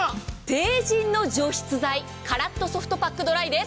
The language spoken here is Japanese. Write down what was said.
ＴＥＩＪＩＮの除湿剤感っとソフトパックドライです。